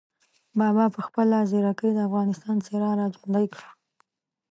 بابا په خپله ځیرکۍ د افغانستان څېره را ژوندۍ کړه.